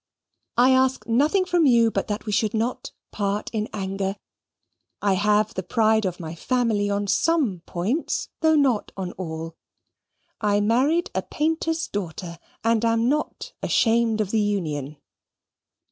"I ask nothing from you but that we should part not in anger. I have the pride of my family on some points, though not on all. I married a painter's daughter, and am not ashamed of the union."